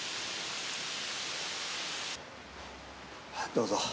どうぞ。